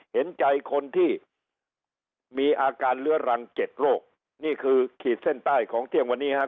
เห็นใจคนที่มีอาการเลื้อรังเจ็ดโรคนี่คือขีดเส้นใต้ของเที่ยงวันนี้ฮะ